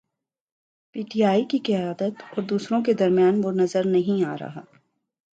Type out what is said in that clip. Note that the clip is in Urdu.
پی ٹی آئی کی قیادت اور دوسروں کے درمیان وہ نظر نہیں آ رہا۔